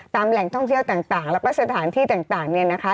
แหล่งท่องเที่ยวต่างแล้วก็สถานที่ต่างเนี่ยนะคะ